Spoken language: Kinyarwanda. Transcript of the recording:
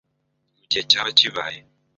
mu gihe cyaba kibaye.